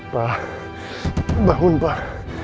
pak bangun pak